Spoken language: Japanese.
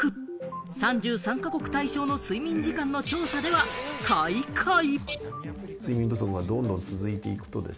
３３か国対象の睡眠時間の調査では最下位。